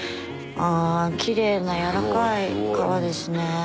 あぁきれいな軟らかい革ですね。